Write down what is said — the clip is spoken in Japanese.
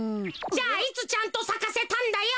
じゃあいつちゃんとさかせたんだよ。